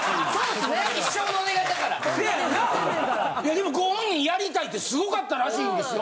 でもご本人やりたいってすごかったらしいですよ。